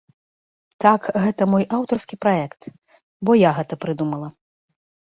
Так гэта мой аўтарскі праект, бо я гэта прыдумала.